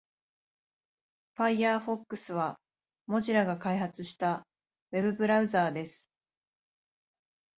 Firefox は Mozilla が開発したウェブブラウザーです。